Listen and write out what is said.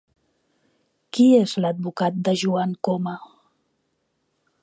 Qui és l'advocat de Joan Coma?